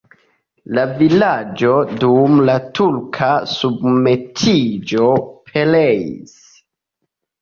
La vilaĝo dum la turka submetiĝo pereis.